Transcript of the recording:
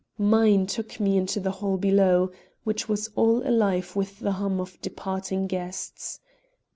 Mine took me into the hall below, which was all alive with the hum of departing guests.